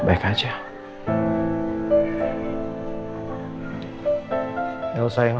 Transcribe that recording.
ini rehearsal siapa